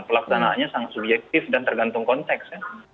pelaksanaannya sangat subjektif dan tergantung konteks